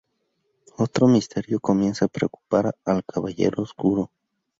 Otro misterio comienza a preocupar al Caballero Oscuro.